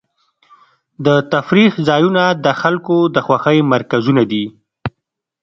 د تفریح ځایونه د خلکو د خوښۍ مرکزونه دي.